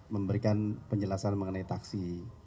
memberikan penjelasan mengenai taksi